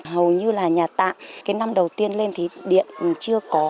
hầu như là nhà tạng cái năm đầu tiên lên thì điện chưa có